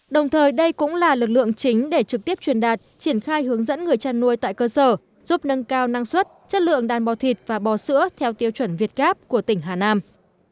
đồng thời đây cũng là lực lượng chính để trực tiếp truyền đạt triển khai hướng dẫn người chăn nuôi tại cơ sở giúp nâng cao năng suất chất lượng đàn bò thịt và bò sữa theo tiêu chuẩn việt gáp của tỉnh hà nam